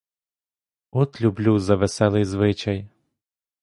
От люблю за веселий звичай!